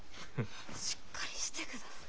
しっかりしてください。